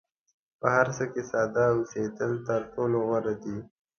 په هر څه کې ساده اوسېدل تر ټولو غوره دي.